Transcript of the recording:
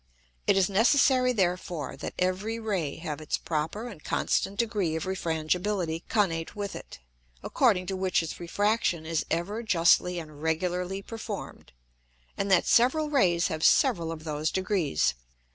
It is necessary therefore that every Ray have its proper and constant degree of Refrangibility connate with it, according to which its refraction is ever justly and regularly perform'd; and that several Rays have several of those degrees.